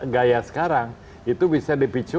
gaya sekarang itu bisa dipicu